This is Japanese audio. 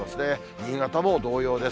新潟も同様です。